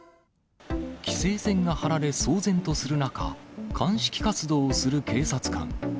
規制線が張られ、騒然とする中、鑑識活動をする警察官。